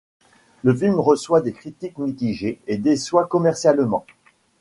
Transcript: Le film reçoit des critiques mitigées et déçoit commercialement.